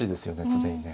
常にね。